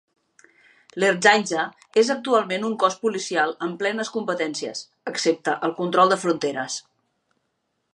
L'Ertzaintza és actualment un cos policial amb plenes competències, excepte el control de fronteres.